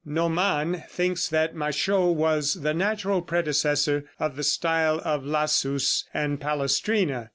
Naumann thinks that Machaut was the natural predecessor of the style of Lassus and Palestrina.